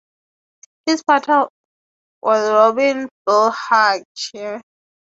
His partner was Robin Bailhache.